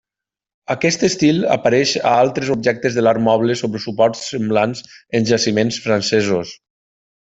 Aquest estil apareix a altres objectes de l'art moble sobre suports semblants en jaciments francesos.